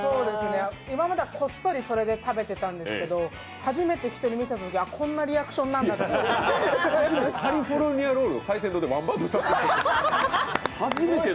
今まではこっそりそれで食べてたんですけど初めて人に見せたときこんなリアクションなんだなって。